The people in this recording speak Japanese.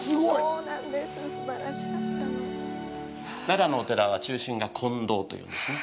奈良のお寺は、中心が金堂というんですね。